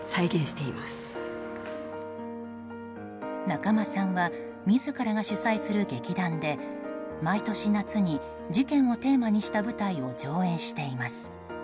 中間さんは自らが主宰する劇団で毎年夏に、事件をテーマにした舞台を上演しています。